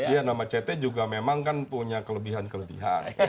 ya nama ct juga memang kan punya kelebihan kelebihan